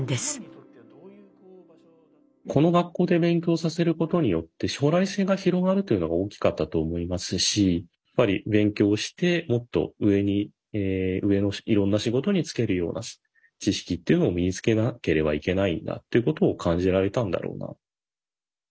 この学校で勉強させることによって将来性が広がるというのが大きかったと思いますしやっぱり勉強してもっと上に上のいろんな仕事に就けるような知識っていうのを身につけなければいけないんだということを感じられたんだろうな。